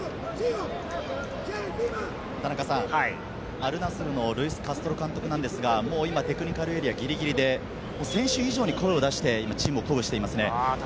アルナスルのルイス・カストロ監督なんですが、今、テクニカルエリアのギリギリで選手以上に声を出してチームを鼓舞していますね。